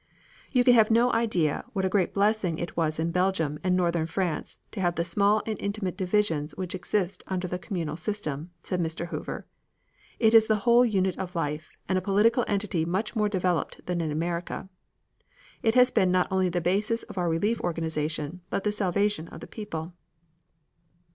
"You can have no idea what a great blessing it was in Belgium and Northern France to have the small and intimate divisions which exist under the communal system," said Mr. Hoover. "It is the whole unit of life, and a political entity much more developed than in America. It has been not only the basis of our relief organization, but the salvation of the people."